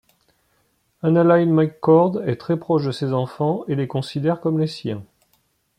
AnnaLynne McCord est très proche de ses enfants et les considère comme les siens.